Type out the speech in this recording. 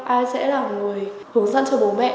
ai sẽ là người hướng dẫn cho bố mẹ